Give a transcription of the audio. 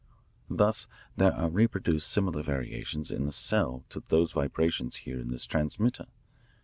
Thus there are reproduced similar variations in the cell to those vibrations here in this transmitter.